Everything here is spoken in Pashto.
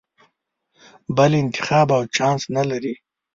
بل انتخاب او چانس نه لرې.